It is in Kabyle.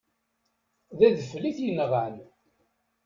D adfel i t-yenɣan.